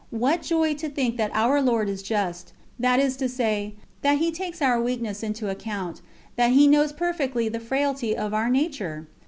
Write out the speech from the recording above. What joy to think that Our Lord is just, that is to say, that He takes our weakness into account, that He knows perfectly the frailty of our nature!